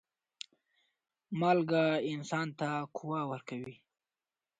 مالګه انسان ته قوه ورکوي.